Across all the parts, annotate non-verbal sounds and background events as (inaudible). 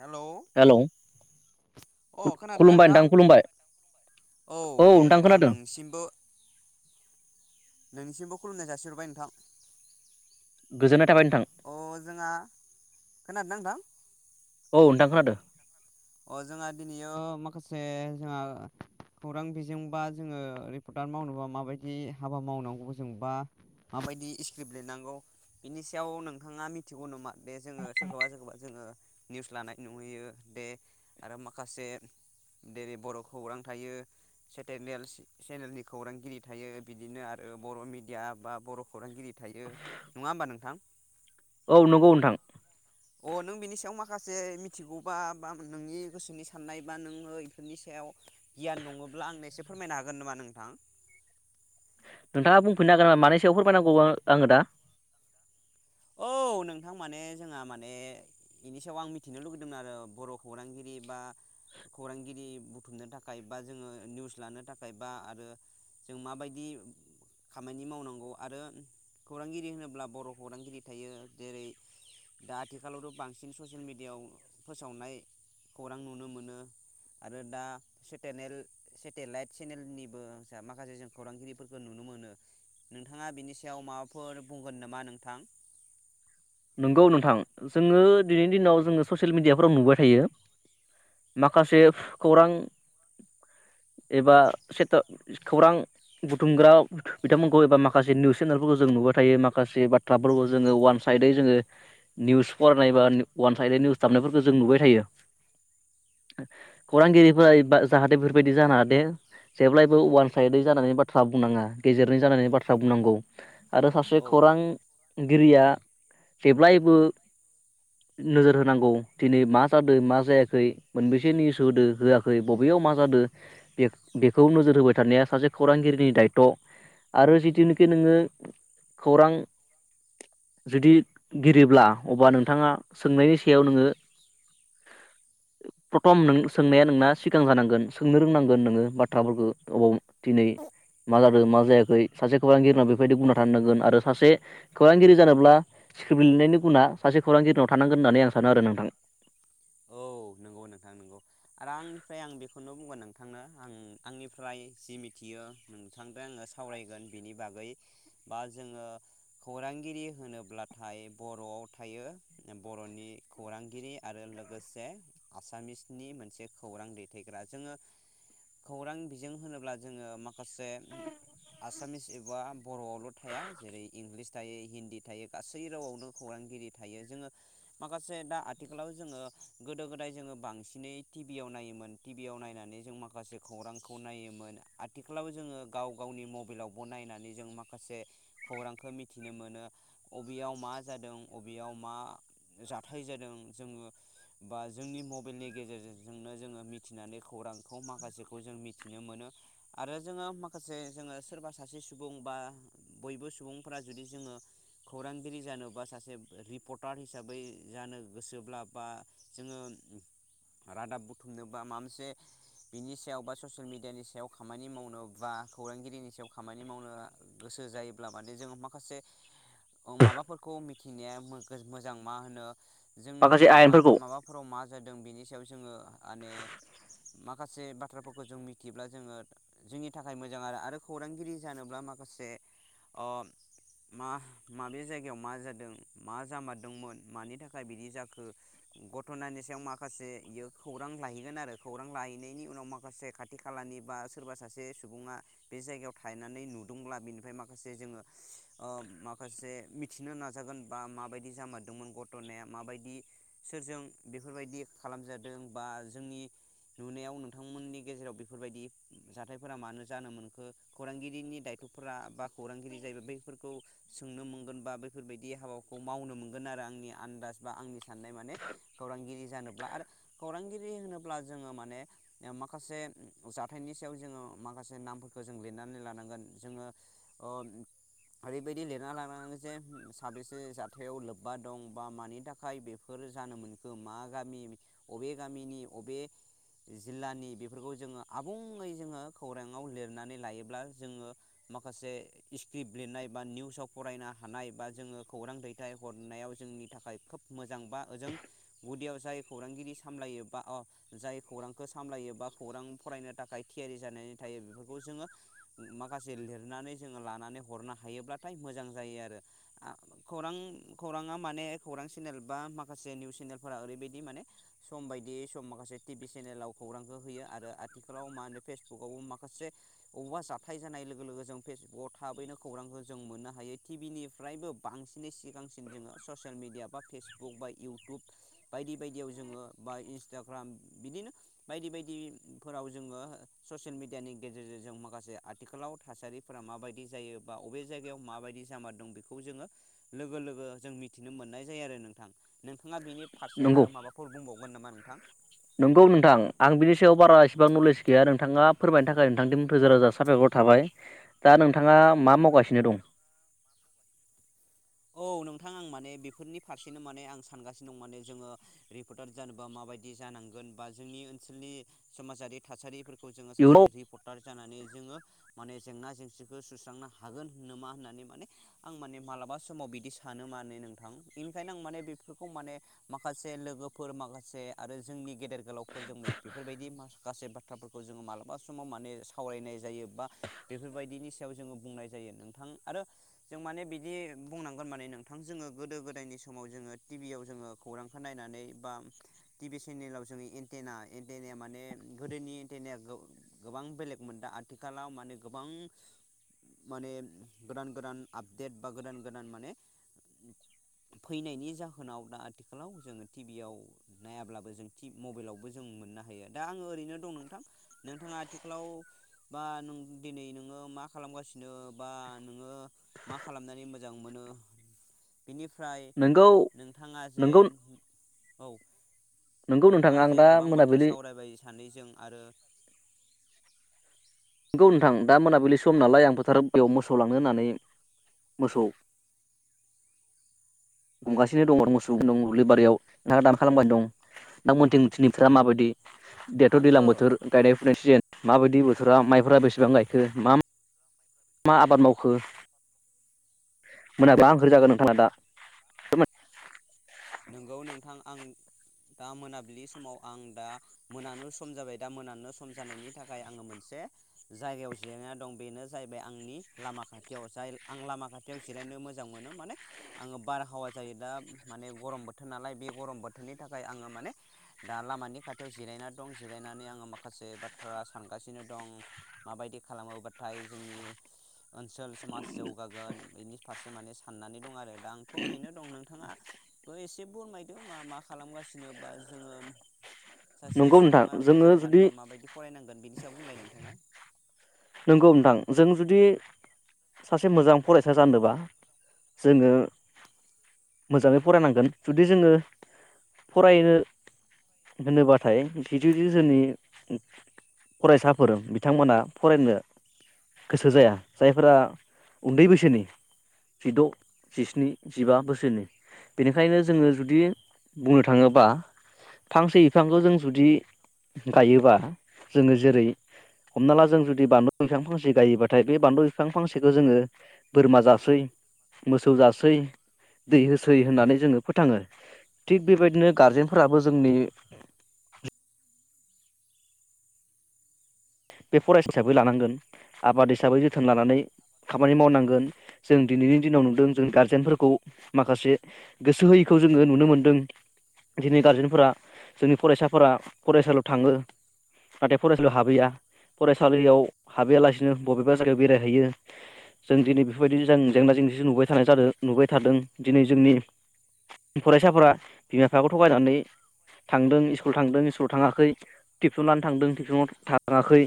Hello hello अ खोनादोंना खुलुमबाय नोंथां? खुलुमबाय औ दे नोंथां आं खोनादों नोंसिमबो नोंनिसिमबो खुलुमनाय जासिहरबाय नोंथां। गोजोननाय थाबाय नोंथां अ जोंहा खोनादोंना नोंथां? औ नोंथां खोनादो। अ जोंहा दिनैयो माखासे जोंहा खौरां बिजोंबा जोङो रिपर्टार मावनोबा माबायदि हाबा मावनांगौ जों बा माबायदि स्क्रिप्ट लिरेनांगौ बिनि सायाव नोंथाङा मिथिगौ नामा? बे जोङो सोरखौबा सोरखौबा जोङो निउस लानाय नुहैयो दे आरो माखासे जेरै बर' खौरां थायो सेटेल चेनेलनि खौरांगिरि थायो बिदिनो आरो बर' मिडिया बा बर' खौरांगिरि थायो नङा होमबा नोंथां? औ नंगौ नोंथां। अ नों बिनि सायाव माखासे मिथिगौबा बा नोंनि गोसोनि साननाय बा नोङो बेफोरनि सायाव गियान नङब्ला आंनो एसे फोरमायनो हागोन नामा नोंथां? नोंथाङा बुंफिननो हागोन नामा मानि सोयाव फोरमायनांगौ आङो दा? औ नोंथां माने जोंहा माने बेनि सायाव आं मिथिनो लुगैदोंमोन आरो बर खौरांगिरि बा खौरांगिरि बुथुमनो थाखाय बा जोङो निउस लानो थाखाय बा आरो जों माबायदि खामानि मावनांगौ आरो खौरांगिरि होनोब्ला बर' खौरांगिरि थायो जेरै दा आथिखालावथ बांसिन ससियेल मेडियाआव फोसावनाय खौरां नुनो मोनो आरो दा सेटेनेल सेटेलाइट सेनेलनिबो माखासे जों खौरांगिरिफोरखौ नुनो मोनो नोंथाङा बिनि सायाव माबाफोर बुंगोन नामा नोंथां? नंगौ नोंथां जोङो दिनैनि दिनाव जोङो ससियेल मिडियाफोराव नुबाय थायो माखासे खौरां एबा सेटे खौरां बुथुमग्रा बिथांमोनखौ एबा माखासे निउस चेनेलफोरखौ जों नुबाय थायो माखासे बाथ्राफोरखौ जोङो अवान साइदयै जोङो निउस फरायनाय बा वान साइद निउस दाबनायफोरखौ जों नुबाय थायो। खौरांगिरिफोरा जाहाथे बेफोरबायदि जानङा दे जेब्लायबो अवान साइदै जानायनि बाथ्रा बुंनाङा गेजेरनि जानानै बाथ्रा बुंनांगौ। आरो सासे औ खौरां गिरिया जेब्लायबो नोजोर होनांगौ दिनै मा जादों मा जायाखै मोनबेसे निउस होदो होआखै बबेयाव मा जादों बे-बेखौ नोजोर होबाय थानाया सासे खौरांगिरिनि दात्य आरो जिथुनिखि नोङो खौरां जुदि गिरिब्ला अब्ला नोंथाङा सोंनायनि सायाव नोङो प्रथम नों सोंनाया नोंना सिगां जानांगोन सोंनो रोंनांगोन नोङो बाथ्राफोरखौ अबाव दिनै मा जादों मा जायाखै सासे खौरांगिरिना बेबायदि बुंना थानो नांगोन आरो सासे खौरांगिरि जानोब्ला स्क्रिप लिरनायनि गुना सासे खौरांगिरिनाव थानांगोन होननानै आं सानो आरो नोंथां। औ नोंगौ नोंथां नंगौ आरो आंनिफ्राय आं बेखौनो बुंगोन नोंथांनो आं आंनिफ्राय जि मिथियो नोंथांदो आङो सावरायगोन बिनि बागै बा जोङो खौरांगिरि होनोब्लाथाय बरआव थायो बरनि खौरांगिरि आरो लोगो लोगोसे आसामिसनि मोनसे खौरां दैथायग्रा। जोङो खौरां बिजों होनोब्ला जोङो मा खासे आसामिस एबा बरआवल' थाया जेरै इंलिस थायो हिन्दी थायो गासै रावआवनो खौरांगिरि थायो जोङो माखासे दा आथिखालाव जोङो गोदो गोदाय जोङो बांसिनै टिभियाव नायोमोन टिभियाव नायनानै जों माखासे खौरांखौ नायोमोन आथिखालाव जोङो गाव गावनि मबाइलावबो नायनानै जों माखासे खौरांखौ मिथिनो मोनो बबेयाव मा जादों अबेयाव मा जाथाय जादों जोङो बा जोंनि मबाइलनि गेजेरजोंनो जोङो मिथिनानै खौरांखौ माखासेखौ जों मिथिनो मोनो आरो जोङो माखासे जोङो सोरबा सासे सुबुं बा बयबो सुबुंफोरा जुदि जोङो खौरांगिरि जानोबा सासे रिपर्टार हिसाबै जानो गोसोब्ला बा जोङो रादाब बुथुमनो बा मा मोनसे बिनि सायाव बा ससियेल मिडियानि सायाव खामानि मावनो बा खौरांगिरिनि सायाव खामानि मावनो गोसो जायोब्ला माने जोङो माखासे औ माबाफोरखौ मि थिनाया मोजां मा होनो जोंनि माखासे मा आयेनफोरखौ होनोमो नाव मा जादों बेनि सायाव जोङो माने माखासे बाथ्राफोरखौ जों मिथियोब्ला जोङो जोंनि थाखाय मोजां आरो आरो खौरांगिरि जानोब्ला माखासे ओ मा माबे जायगायाव मा जादों मा जामारदोंमोन मानि थाखाय बिदि जाखो घथनानि सायाव माखासे इयो खौरां लाहैगोन आरो खौरां लाहैनायनि उनाव माखासे खाथि खालानि बा सोरबा सासे सुबुङा बे जायगायाव थनानै नुदोंब्ला बेनिफ्राय माखासे जोङो ओ माखासे मिथिनो नाजागोन बा माबायदि जामारदोंमोन घथनाया माबायदि सोरजों बेफोरबायदि खालामजादों बा जोंनि नुनायाव नोंथांमोननि गेजेराव बेफोरबायदि जाथायफोरा मानो जानो मोनखो? खौरांगिरिनि दायथफोरा बा खौरांगिरि जायोबाय बैफोरखौ सोंनो मोनगोन बा बैफोरबायदि हाबाखौ मावनो मोनगोन आरो आंनि आन्दाज बा आंनि साननाय माने खौरांगिरि जानोब्ला आरो खौरांगिरि होनोब्ला जोङो माने माखासे जाथायनि सायाव जोङो माखासे नामफोरखौ जों लिरनानै लानांगोन। जोङो ओ ओरैबायदि लिरना लानांगोन जे साबेसे जाथायाव लोब्बा दं बा मानि थाखाय बेफोर जानो मोनखो मा गामि बबे गामिनि बबे जिल्लानि बेफोरखौ जोङो आबुङै जोङो खौराङाव लिरनानै लायोब्ला जोङो माखासे स्क्रिप्ट लिरनाय बा निउसाव फरायनो हानाय बा जोङो खौरां दैथाय हरनायाव जोंनि थाखाय खोब मोजां बा ओजों गुदियाव जाय खौरांगिरि सामलायो बा अ जाय खौरांखौ सामलायो बा खौरां फरायनो थाखाय थियारि जानानै थायो बेफोरखौ जोङो माखासे लिरनानै जोङो लानानै हरनो हायोब्लाथाइ मोजां जायो आरो आ खौरां खौराङा माने खौरां सेनेल बा मा खासे निउस सेनेलफोरा ओरैबायदि माने सम बायदियै सम माखासे टि भि सेनेलाव खौरांखौ होयो आरो आथिखालाव मा होनो फेसबुकावबो माखासे बबेबा जाथाय जानाय लोगो लोगो जों फेसबुकाव थाबैनो खौरांखौ जों मोननो हायो टि भि निफ्रायबो बांसिनै सिगांसिन जोङो ससियेल मिडिया बा फेसबुक बायदि इउटुब बायदि बायदियाव जोङो बा इन्सटाग्राम बिदिनो बायदि बायदिफोराव जोङो ससियेल मेडियानि गेजेरजों जों माखासे आथिखालाव थासारिफोरा माबायदि जायो बा अबे जायगायाव माबायदि जामार दं बेखौ जोङो लोगो लोगो जों मिथिनो मोननाय जायो आरो नोंथां। नोंथाङा बेनि फारसे नंगौ आरो माबाफोर बुंबावगोन नामा नोंथां? नंगौ नोंथां आं बिनि सायाव बारा इसिबां नलेज गैया आरो नों थाङा फोरमायनो थाखाय नोंथांनिसिम रोजा रोजा सााबायखर थाबाय‌। दा नोंथाङा मा मावगासिनो दं? औ नोंथां आं माने बेफोरनि फारसेनो माने आं सानगासिनो दं माने जोङो रिपर्टार जानोबा माबायदि जानांगोन बा जोंनि ओन्सोलनि समाजारि थासारिफोरखौ जोङो सासे इयुनाव रिपर्टार जानानै जोङो माने जेंना जेंसिखौ सुस्रांनो हागोन नामा होननानै माने आं माने मालाबा समाव बिदि सानो माने नोंथां‌ बेनिखायनो आं माने बेफोरखौ माने माखासे लोगोफोर माखासे आरो जोंनि गेदेर गोलावफोरजों मै बेफोरबायदि माखासे बा थ्राफोरखौ जोङो मालाबा समाव माने सावरायनाय जायो। बा बेफोरबायदिनि सायाव जोङो बुंनाय। जायो नोंथां आरो जों माने बिदि। बुंनांगोन माने नोंथां जोङो गोदो गोदायनि समाव जोङो टि भियाव जोङो खौरांखौ नायनानै बा टि-भि सेनेलाव जोङो एन्टेना एन्टेनाया माने गोदोनि एन्टेनाया गो-गोबां बेलेगमोन दा आथिखालाव माने गोबां माने गोदान गोदान आपडेट बा गोदान गोदान माने फैनायनि जाहोनाव दा आथिखालाव जोङो टिभियाव नायाब्लाबो जों मबाइलावबो जों मोननो हायो दा आङो ओरैनो दं नोंथां नोंथाङा आथिखालाव बा नों दिनै नोङो मा खालामगासिनो बा नोङो मा खालामनानै मो मोजां मोनो। बेनिफ्राय नोंगौ नोंथाङा जे नोंगौ औ। नोंगौ नोंथां नोंथाङा आं जे दा गोबां बाथ्रा मोनाबिलि सावरायबाय सानै जों आरो। नंगौ नोंथां दा मोनाबिलि सम नालाय आं फोथार बेयाव मोसौ लांनो होननानै मोसौ गुमगासिनो दं आरो मोसौ दं दुब्लि बारियाव नोंथाङा दानो खालामबायनो दं नोंथां मोनथि दिनै बोथोरफ्रा माबायदि। दाथ दैलां आङो बोथोर गायनाय फुनाय सिजेन। माबायदि बो (unintelligible) माइफोरा बेसेबां गायखो मा मा मा आबाद मावखो मोनाबा (unintelligible) नोंगौ नोंथां आं दा मोनाबिलि समाव आं दा मोनानो सम जाबाय दा मोनानो सम जानायनि थाखाय आङो मोनसे जायगायाव जिरायना दं बेनो जाहैबाय आंनि लामा खाथियाव जाय आं लामा खाथियाव जिरायनो मोजां मोनो माने आङो बारहावा जायो दा माने। गरम बोथोर नालाय बे गरम बोथोरनि थाखाय आङो माने दा लामानि खाथियाव जिरायनानै दं जिरायनानै आङो माखासे बाथ्रा सानगासिनो दं माबायदि खालामोबाथाय जोंनि ओनसोल समाज जौगागोन बेनि फारसे माने साननानै दं आरो। आंथ ओरैनो दं नोंथाङा बो एसे फोमायदो मा मा खालामगासिनो बा जोङो। सासे नंगौ नोंथां सुबुङा जोङो मोजां जुदि जानोबा माबायदि फरायनांगोन बेनि सायाव बुंलाय नोंथाङा। नंगौ नोंथां जों जुदि सासे मोजां फरायसा जानोबा जोङो मोजाङै फरायनांगोन जुदि जोङो फरायनो होनोबाथाय जुदि जोंनि फरायसाफोर बिथांमोना। फरायनो गोसो जाया जायफोरा उन्दै बैसोनि जिद जिस्नि जिबा बोसोरनि बेनिखायनो जोङो जुदि बुंनो थाङोबा फांसे बिफांखौ जों जुदि गायोबा जोङो जेरै हमना ला। जों बानलु बिफां फांसे गायोबाथाय बे बानलु बिफां फांसेखौ जोङो बोरमा जासै मोसौ जासै दै होसै होननानै जोङो फोथाङो थिग बेबायदिनो गारजेनफोराबो जोंनि। बे फरायसा हिसाबै लानांगोन आबाद हिसाबै जोथोन लानानै खामानि मावनांगोन जों दिनैनि दिनाव नुदों जों गार्जेनफोरखौ माखासे गोसो होयैखौ जोङो नुनो मोनदों दिनै गारजेनफोरा जोंनि फरायसाफोरा फरायसालियाव थाङो नाथाय फरायसालियाव हाबैया। फरायसालियाव हाबैयालासिनो बबेबा जायगायाव बेरायहैयो जों दिनै बेफोर बायदि जेंना जेंसिखौ नुबाय थानाय जादों नुबाय थादों दिनै जोंनि फरायसाफोरा बिमा बिफायाबो थगायनानै थांदों स्कुल थांदों स्कुल थाङाखै टिउसन लानो थांदों टिउसनाव थाङाखै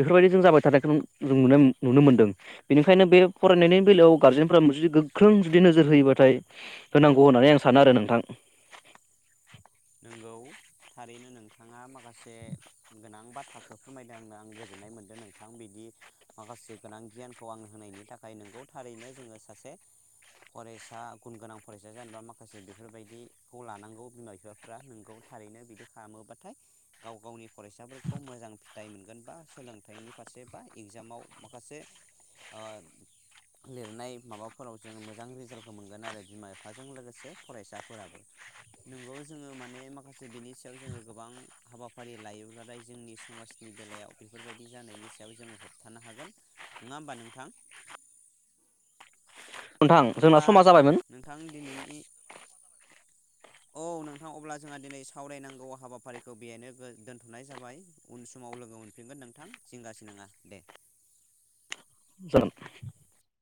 बेफोरबायदि जों जाबाय थानायखौ जों नुनो नुनो मोन्दों बेनिखायनो बे फरायनायनि बेलायाव गारजेनफोरा जुदि गोख्रों जुदि नोजोर होयोबाथाय होनांगौ होननानै आं सानो आरो नोंथां। नोंगौ थारैनो नोंथाङा माखासे गोनां बाथ्राखौ फोरमायदों आंनो आं गोजोननाय मोनदों नोंथां बिदि माखासे गोनां गियानखौ आंनो होनायनि थाखाय नोंगौ थारैनो जोङो सासे फरायसा गुन गोनां फरायसा जानोबा माखासे बेफोर बायदिखौ लानांगौ बिमा बिफा। फ्रा नोंगौ थारैनो बिदि खालामोबाथाय गाव गावनि। फरायसाफोरखौ मोजां थाय मोनगोन बा सोलोंथाइनि फारसे बा इगजामाव माखासे ओ लिरनाय माबाफोराव जों मोजां रिजाल्टखौ मोनगोन आरो बिमा बिफाजों लोगोसे फरायसाफोराबो नोंगौ। जोङो माने माखासे बेनि सायाव जोङो गोबां हाबाफारि लायोब्लाथाय जोंनि समाजनि बेलायाव बेफोर बायदि जानायनि सायाव जोङो होबथानो हागोन नङा होमबा नोंथां? नोंथां जोंना अब्ला समा जाबायमोन नोंथां दिनैनि औ नोंथां अब्ला जोंहा दिनै सावरायनांगौ हाबाफारिखौ बेहायनो गो दोनथनाय जाबाय उन समाव लोगो मोनफिनगोन नोंथां जिंगा सिनाङा दे। (unintelligible)